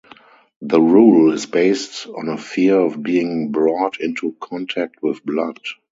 The rule is based on a fear of being brought into contact with blood.